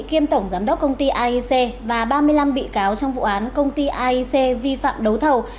kiêm tổng giám đốc công ty aic và ba mươi năm bị cáo trong vụ án công ty aic vi phạm đấu thầu